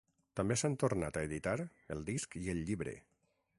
També s'han tornat a editar el disc i el llibre.